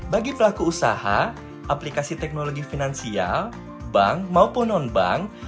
bagi pelaku usaha aplikasi teknologi finansial bank maupun non bank